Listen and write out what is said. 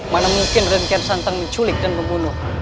mana mungkin raden kian santang menculik dan membunuh